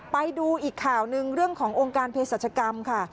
ไปดูอีกข่าวหนึ่งเรื่องขององค์การเพศรัชกรรมค่ะ